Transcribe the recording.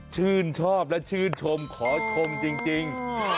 ชื่นชอบและชื่นชมขอชมจริง